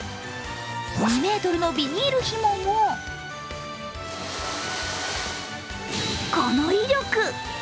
２ｍのビニールひもも、この威力。